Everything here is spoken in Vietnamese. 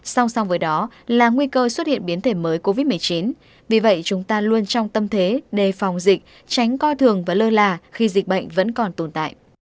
song song với đó là nguy cơ xuất hiện biến thể mới covid một mươi chín vì vậy chúng ta luôn trong tâm thế đề phòng dịch tránh coi thường và lơ là khi dịch bệnh vẫn còn tồn tại